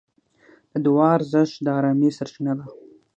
د دعا ارزښت د ارامۍ سرچینه ده.